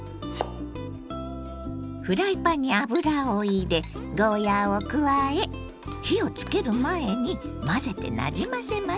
フライパンに油を入れゴーヤーを加え火をつける前に混ぜてなじませます。